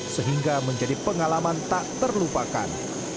sehingga menjadi pengalaman tak terlupakan